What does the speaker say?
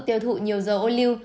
tiêu thụ nhiều dầu ô lưu